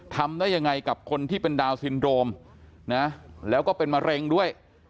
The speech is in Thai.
ทำได้ยังไงกับคนที่เป็นดาวนซินโดมนะแล้วก็เป็นมะเร็งด้วย